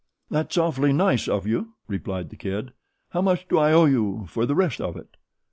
"That's awfully nice of you," replied The Kid. "How much do I owe you for the rest of it?"